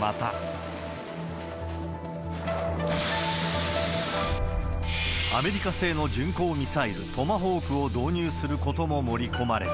また、アメリカ製の巡航ミサイル、トマホークを導入することも盛り込まれた。